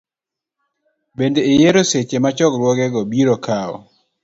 Bende, iyier seche ma chokruogego biro kawo .